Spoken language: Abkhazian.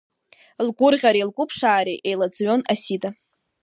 Лгәырӷьареи лгәыԥшаареи еилаӡҩон Асида.